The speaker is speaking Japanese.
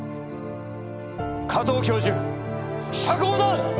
加藤教授釈放だ！